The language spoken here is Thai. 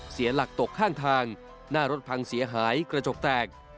เสียหลักตกข้างทางหน้ารถพังเสียหายกระจกแตก